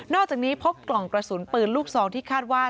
อกจากนี้พบกล่องกระสุนปืนลูกซองที่คาดว่า